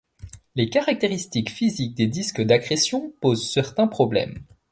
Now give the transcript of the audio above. Les caractéristiques physiques des disques d'accrétion posent certains problèmes.